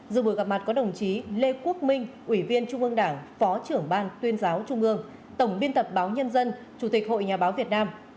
dự buổi gặp mặt có đồng chí lê quốc minh ủy viên trung ương đảng phó trưởng ban tuyên giáo trung ương tổng biên tập báo nhân dân chủ tịch hội nhà báo việt nam